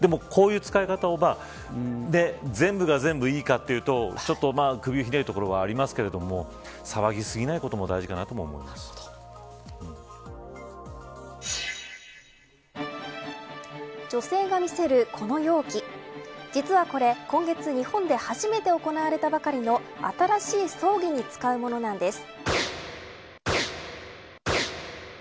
でもこういう使い方が全部が全部いいかというと首をひねるところはありますが騒ぎすぎないことも女性が見せるこの容器実はこれ、今月日本で初めて行われたばかりの新しい葬儀に使うものなんです。